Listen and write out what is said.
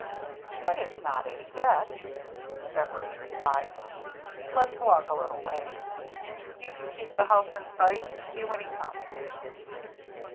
" But it's not eight yet," Beveridge replied. "Let's walk a little way — you can keep the house in sight, and see when he comes."